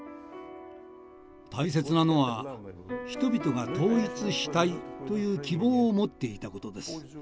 大切なのは人々が「統一したい」という希望を持っていたことです。